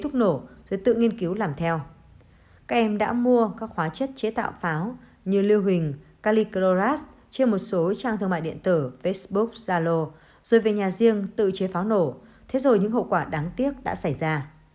các em đã mua các hóa chất chế tạo pháo như lưu hình calicroras chia một số trang thương mại điện tử facebook zalo rồi về nhà riêng tự chế pháo nổ thế rồi những hậu quả đáng tiếc đã xảy ra